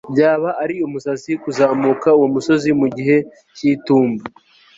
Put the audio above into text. Byaba ari umusazi kuzamuka uwo musozi mu gihe cyitumba